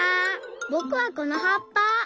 ぼくはこのはっぱ。